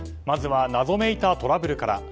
まずは謎めいたトラブルから。